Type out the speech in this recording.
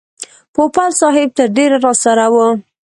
پوپل صاحب تر ډېره راسره و.